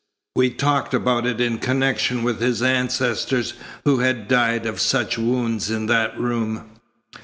We talked about it in connection with his ancestors who had died of such wounds in that room."